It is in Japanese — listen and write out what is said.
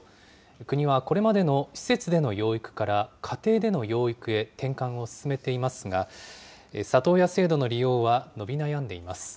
国はこれまでの施設での養育から家庭での養育へ転換を進めていますが、里親制度の利用は伸び悩んでいます。